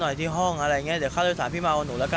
ที่ห้องอะไรอย่างเงี้เดี๋ยวค่าโดยสารพี่เมาหนูแล้วกัน